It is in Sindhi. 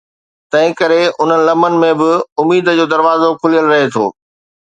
تنهن ڪري انهن لمحن ۾ به، اميد جو دروازو کليل رهي ٿو.